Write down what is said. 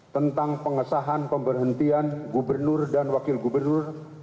tentang pengesahan pemberhentian gubernur dan wakil gubernur